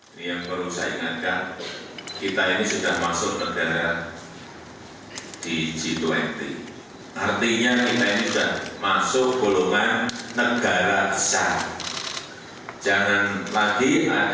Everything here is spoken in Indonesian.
ini yang perlu saya ingatkan kita ini sudah masuk negara di g dua puluh